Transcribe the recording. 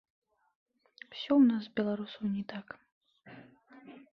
Усё ў нас, беларусаў, не так.